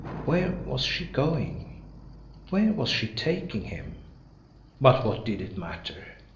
Where was she going? Where was she taking him? But what did it matter!